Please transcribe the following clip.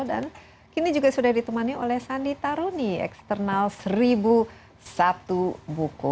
dan kini juga sudah ditemani oleh sandi taruni eksternal seribu satu buku